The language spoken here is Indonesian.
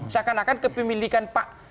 seakan akan kepemilikan pak